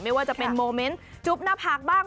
ไม่ว่าจะเป็นโมเมนต์จุ๊บหน้าผากบ้าง